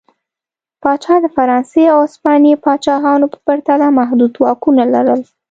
پاچا د فرانسې او هسپانیې پاچاهانو په پرتله محدود واکونه لرل.